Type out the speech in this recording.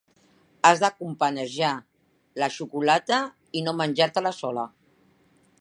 Has de companejar la xocolata i no menjar-te-la sola.